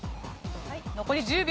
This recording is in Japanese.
残り１０秒。